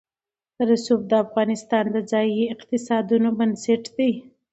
رسوب د افغانستان د ځایي اقتصادونو بنسټ دی.